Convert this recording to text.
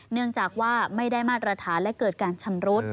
เนื่องจากว่าไม่ได้มาตรฐานและเกิดการชำรุด